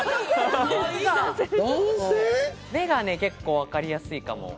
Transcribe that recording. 眼鏡、結構わかりやすいかも。